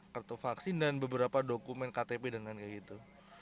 kartu vaksin dan beberapa dokumen ktp dan lain kayak gitu